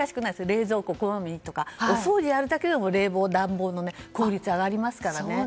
冷蔵庫こまめにとかお掃除をやるだけでも冷房、暖房の効率上がりますから。